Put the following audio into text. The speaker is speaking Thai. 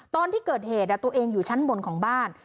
ตอนที่เกิดเหตุตัวเองอยู่ชั้นบนของบ้าน